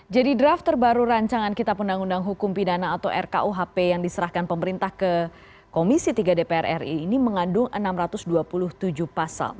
jadi draft terbaru rancangan kitab undang undang hukum pidana atau rkuhp yang diserahkan pemerintah ke komisi tiga dpr ri ini mengandung enam ratus dua puluh tujuh pasal